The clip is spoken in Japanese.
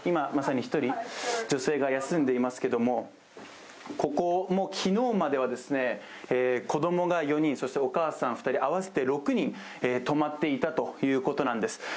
まさに今一人、女性が休んでいますけれどもここも昨日までは子供が４人、そしてお母さん２人、合わせて６人が泊まっていたということなんです。